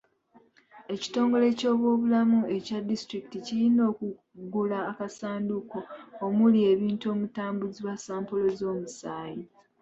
Ekitongole ky'ebyobulamu ekya disitulikiti kiyina okugula akasanduuko omuli ebintu omutambuzibwa sampolo z'omusaayi.